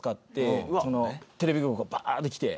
テレビ局がバーッて来て。